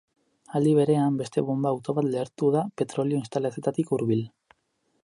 Aldi berean, beste bonba-auto bat lehertu da petrolio instalazioetatik hurbil.